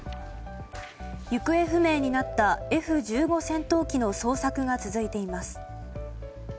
行方不明になったＦ１５戦闘機の捜索が続いています。